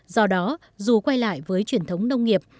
do đó dù quay lại với truyền thống nông nghiệp